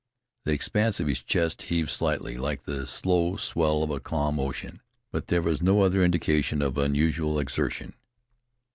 The expanse of his chest heaved slightly, like the slow swell of a calm ocean, but there was no other indication of unusual exertion.